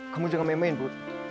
kamu jangan main main bud